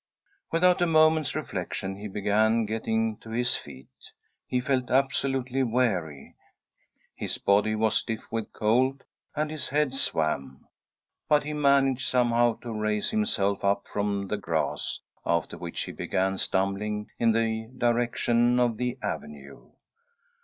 Without a moment's reflection, he began getting to his feet. He felt absolutely weary; bis body was stiff with cold and his head swam; but he managed somehow to raise himself up from the grass, after which he began stumbling in the direction of the avenue.